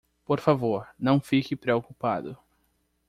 Por favor, não fique preocupado.